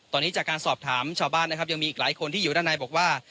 ตอนนี้จากการสอบถามชาวบ้านนะครับยังมีอีกหลายคนที่อยู่ด้านในบอกว่า